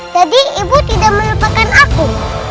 jadi ibu tidak melupakan aku